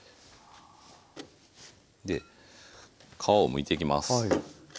皮をむいていきます。